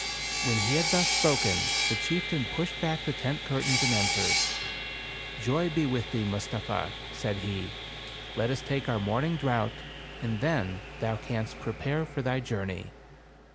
When he had thus spoken, the chieftain pushed back the tent curtains and entered. "Joy be with thee, Mustapha," said he. "Let us take our morning draught, and then thou canst pre pare for thy journey."